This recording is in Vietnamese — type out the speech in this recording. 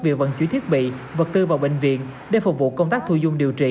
việc vận chuyển thiết bị vật tư vào bệnh viện để phục vụ công tác thu dung điều trị